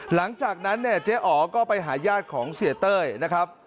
หลังจากนั้นเนี่ยเจ๊อ๋อก็ไปหาญาติของเสียเต้ยนะครับ